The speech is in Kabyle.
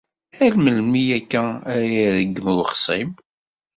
Ar melmi akka ara ireggem uxṣim?